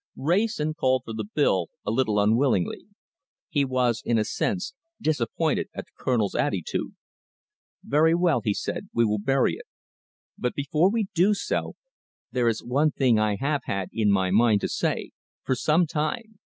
Wrayson called for the bill a little unwillingly. He was, in a sense, disappointed at the Colonel's attitude. "Very well," he said, "we will bury it. But before we do so, there is one thing I have had it in my mind to say for some time.